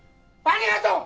ありがとう！